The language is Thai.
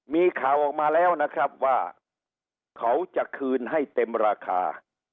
มีข่าวออกมาแล้วนะครับว่าเขาจะคืนให้เต็มราคา